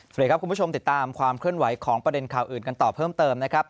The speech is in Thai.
สวัสดีครับคุณผู้ชมติดตามความเคลื่อนไหวของประเด็นข่าวอื่นกันต่อเพิ่มเติมนะครับ